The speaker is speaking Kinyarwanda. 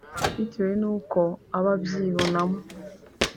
bitewe n’uko aba abyibonamo